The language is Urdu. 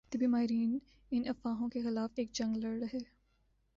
طبی ماہرین ان افواہوں کے خلاف ایک جنگ لڑ رہے